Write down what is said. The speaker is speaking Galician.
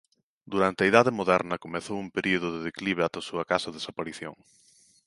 Durante a Idade Moderna comezou un período de declive ata a súa case desaparición.